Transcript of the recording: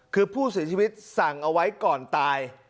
คือผู้เสียชีวิตสั่งเอาไว้ก่อนตาย